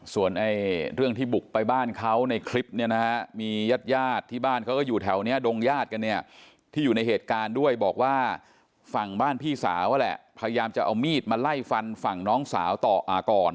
ส่วนเรื่องที่บุกไปบ้านเขาในคลิปเนี่ยนะฮะมีญาติญาติที่บ้านเขาก็อยู่แถวนี้ดงญาติกันเนี่ยที่อยู่ในเหตุการณ์ด้วยบอกว่าฝั่งบ้านพี่สาวแหละพยายามจะเอามีดมาไล่ฟันฝั่งน้องสาวต่อก่อน